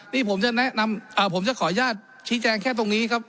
นี่ผมจะแนะนำผมจะขออนุญาตชี้แจงแค่ตรงนี้ครับ